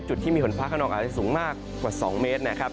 จุดที่มีฝนฟ้าขนองอาจจะสูงมากกว่า๒เมตรนะครับ